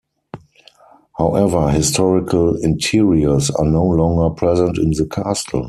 However, historical interiors are no longer present in the castle.